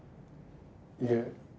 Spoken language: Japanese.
いえ。